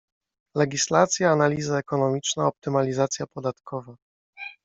Legislacja, analiza ekonomiczna, optymalizacja podatkowa.